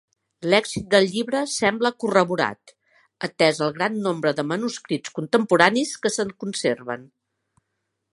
L'èxit del llibre sembla corroborat, atès el gran nombre de manuscrits contemporanis que se'n conserven.